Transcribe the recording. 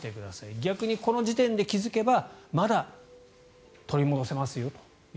逆にこの時点で気付けばまだ取り戻せますよと。